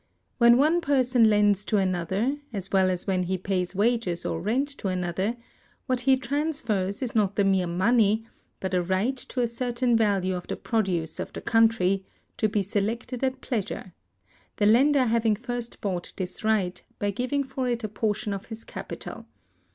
When one person lends to another, as well as when he pays wages or rent to another, what he transfers is not the mere money, but a right to a certain value of the produce of the country, to be selected at pleasure; the lender having first bought this right, by giving for it a portion of his capital.